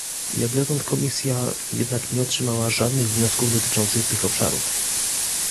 Jak dotąd Komisja jednak nie otrzymała żadnych wniosków dotyczących tych obszarów